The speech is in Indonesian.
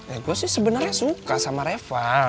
eh gue sih sebenarnya suka sama reva